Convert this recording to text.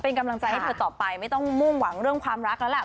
เป็นกำลังใจให้เธอต่อไปไม่ต้องมุ่งหวังเรื่องความรักแล้วล่ะ